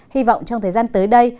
hy vọng trong thời gian tới đây